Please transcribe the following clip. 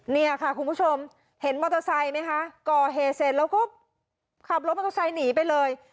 เนี่ยค่ะคุณผู้ชมเห็นมอเตอร์ไซค์ไหมคะก่อเหตุเสร็จแล้วก็ขับรถมอเตอร์ไซค์หนีไปเลย